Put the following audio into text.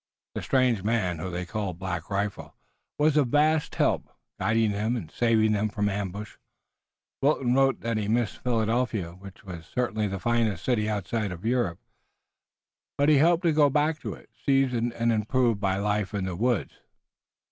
The strange man, whom they called Black Rifle, was of vast help, guiding them and saving them from ambush. Wilton wrote that he missed Philadelphia, which was certainly the finest city outside of Europe, but he hoped to go back to it, seasoned and improved by life in the woods.